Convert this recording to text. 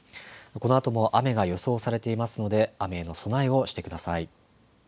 このあとも雨が予想されていますので雨への備えをしてください。